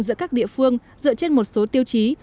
giữa các địa phương dựa trên một số tiêu chí